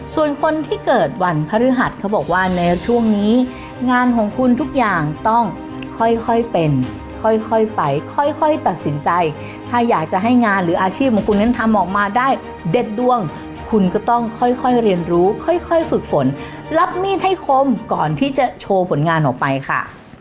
ส่วนคนที่เกิดวันพฤหัสเขาบอกว่าในช่วงนี้งานของคุณทุกอย่างต้องค่อยเป็นค่อยไปค่อยตัดสินใจถ้าอยากจะให้งานหรืออาชีพของคุณนั้นทำออกมาได้เด็ดดวงคุณก็ต้องค่อยเรียนรู้ค่อยฝึกฝนรับมีดให้คมก่อนที่จะโชว์ผลงานออกไปค่ะ